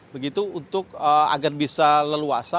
begitu agar bisa leluasa